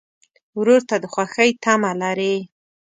ورور ته د خوښۍ تمه لرې.